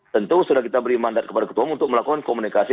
tentu sudah kita beri mandat kepada ketua umum untuk melakukan komunikasi